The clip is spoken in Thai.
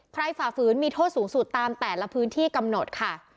ฝ่าฝืนมีโทษสูงสุดตามแต่ละพื้นที่กำหนดค่ะ